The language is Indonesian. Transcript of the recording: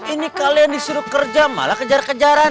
ini kalian disuruh kerja malah kejar kejaran